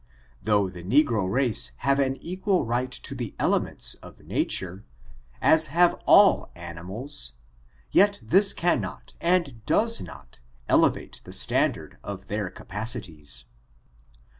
Though the negro race have an equal right to the elements of nature, as have all aur imals, yet this cannot, and does not, elevate the stand ard of their capacities.